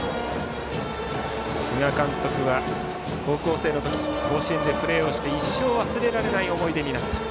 菅監督は高校生の時甲子園でプレーをして一生忘れられない思い出になった。